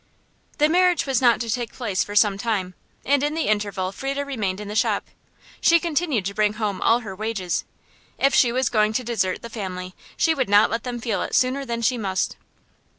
The marriage was not to take place for some time, and in the interval Frieda remained in the shop. She continued to bring home all her wages. If she was going to desert the family, she would not let them feel it sooner than she must.